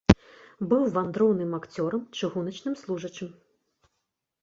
Быў вандроўным акцёрам, чыгуначным служачым.